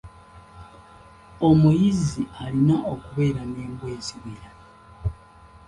Omuyizzi alina okubeera n'embwa eziwera.